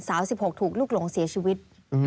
๑๖ถูกลูกหลงเสียชีวิต